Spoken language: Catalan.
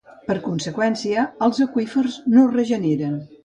Per conseqüència els aqüífers no es regeneren.